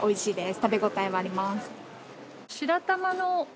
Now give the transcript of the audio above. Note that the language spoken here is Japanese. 食べ応えもあります。